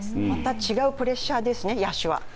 また違うプレッシャーですね野手は。